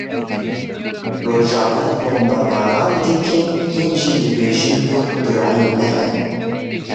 Rojava bombebaran dikin hîn jî dibêjin Kurd birayên me ne.